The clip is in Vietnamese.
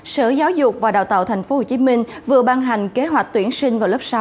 sở giáo dục và đào tạo tp hcm vừa ban hành kế hoạch tuyển sinh vào lớp sáu